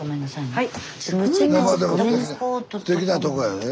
はい。